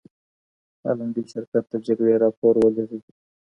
هالندي شرکت د جګړې راپور ولیږه.